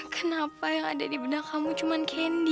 kenapa yang ada di benak kamu cuman kendi